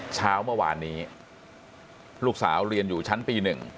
เช้าเมื่อวานนี้ลูกสาวเรียนอยู่ชั้นปี๑